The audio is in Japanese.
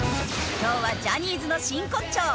今日はジャニーズの真骨頂！